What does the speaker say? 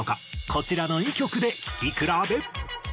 こちらの２曲で聴き比べ。